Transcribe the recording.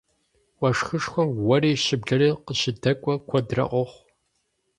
Уэшхышхуэм уэри щыблэри къыщыдэкӏуэ куэдрэ къохъу.